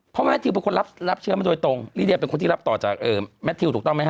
เพราะแมททิวเป็นคนรับเชื้อมาโดยตรงลิเดียเป็นคนที่รับต่อจากแมททิวถูกต้องไหมฮ